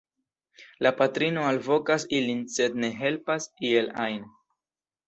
La patrino alvokas ilin, sed ne helpas iel ajn.